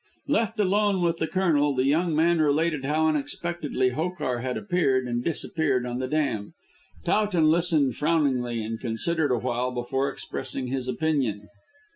Left alone with the Colonel, the young man related how unexpectedly Hokar had appeared and disappeared on the dam. Towton listened frowningly and considered awhile before expressing his opinion.